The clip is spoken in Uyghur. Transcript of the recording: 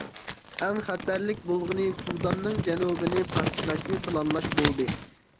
ئەڭ خەتەرلىك بولغىنى سۇداننىڭ جەنۇبىنى پارچىلاشنى پىلانلاش بولدى.